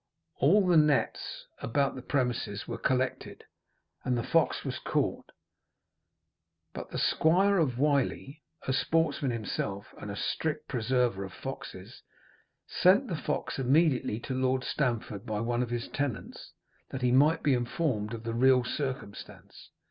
All the nets about the premises were collected, and the fox was caught; but the Squire of Wiley, a sportsman himself, and a strict preserver of foxes, sent the fox immediately to Lord Stamford by one of his tenants, that he might be informed of the real circumstance.